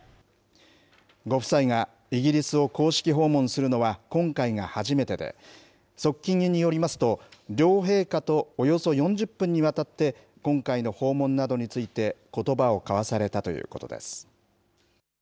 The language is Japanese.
ご夫妻がイギリスを公式訪問するのは今回が初めてで、側近によりますと、両陛下とおよそ４０分にわたって今回の訪問などについてことばを交わされたということです。